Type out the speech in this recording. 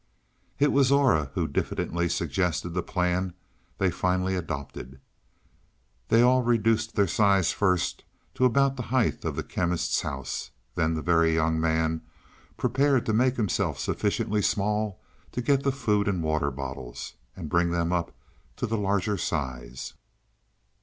It was Aura who diffidently suggested the plan they finally adopted. They all reduced their size first to about the height of the Chemist's house. Then the Very Young Man prepared to make himself sufficiently small to get the food and water bottles, and bring them up to the larger size.